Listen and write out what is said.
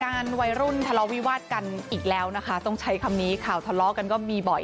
วัยรุ่นทะเลาวิวาสกันอีกแล้วนะคะต้องใช้คำนี้ข่าวทะเลาะกันก็มีบ่อย